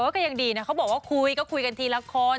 ก็ยังดีนะเขาบอกว่าคุยก็คุยกันทีละคน